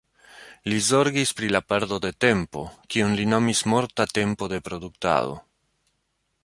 Li zorgis pri la perdo de tempo, kiun li nomis morta tempo de produktado.